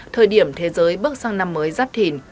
thời điểm thế giới bước sang năm mới